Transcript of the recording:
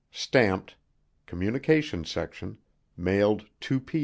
[Stamped: COMMUNICATIONS SECTION MAILED 2 P.